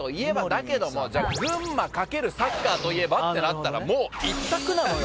だけどもじゃあ「群馬×サッカーといえば」ってなったらもう一択なのよ。